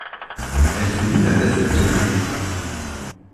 Elle culmine à d’altitude.